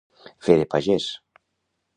Fer de pagès.